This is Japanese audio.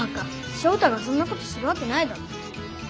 ショウタがそんなことするわけないだろ。